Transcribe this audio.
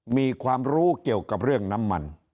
มีความรู้เกี่ยวกับเรื่องน้ำมัน